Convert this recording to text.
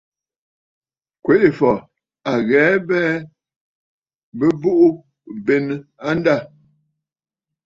Kwèʼefɔ̀ à ghɛ̀ɛ a abɛɛ bɨ̀bùʼù benə̀ a ndâ.